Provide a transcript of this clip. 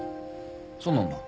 そうなんだ。